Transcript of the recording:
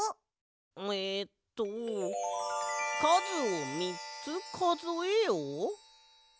えっと「かずをみっつかぞえよ」？